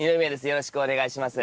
よろしくお願いします。